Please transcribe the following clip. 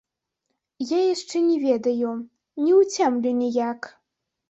Я яшчэ не ведаю, не ўцямлю ніяк.